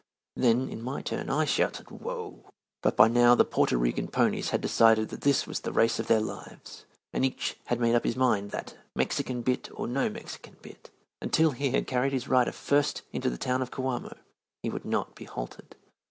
Then, in my turn, I shouted "Whoa!" But by now the Porto Rican ponies had decided that this was the race of their lives, and each had made up his mind that, Mexican bit or no Mexican bit, until he had carried his rider first into the town of Coamo, he would not be halted.